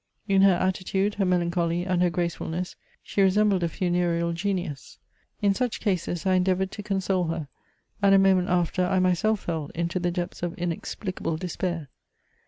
In her attitude, her melancholy, and her gracefulness, she resembled a funereal genius. In such cases, I endeavoured to console her, and a moment after I myself fell iuto the depths of inexplicable despair.